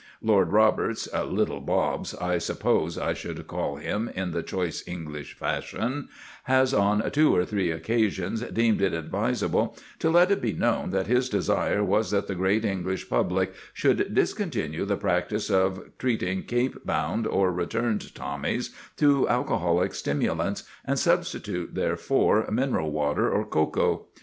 Lord Roberts "Little Bobs," I suppose, I should call him, in the choice English fashion has on two or three occasions deemed it advisable to let it be known that his desire was that the great English public should discontinue the practice of treating Cape bound or returned Tommies to alcoholic stimulants, and substitute therefor mineral waters or cocoa.